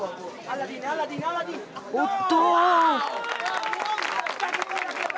おっと！